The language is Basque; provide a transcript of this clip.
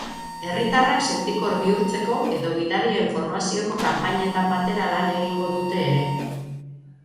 Herritarrak sentikor bihurtzeko edo gidarien formazioko kanpainetan batera lan egingo dute ere.